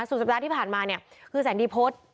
สุดสัปดาห์ที่ผ่านมาเนี่ยคือแสนดีพจน์